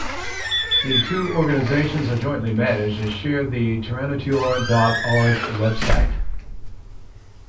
The two organisations are jointly managed and share the terranature dot org website.